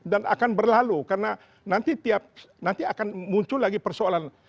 dan akan berlalu karena nanti akan muncul lagi persoalan